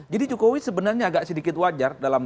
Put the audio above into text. jadi jokowi sebenarnya agak sedikit wajar dalam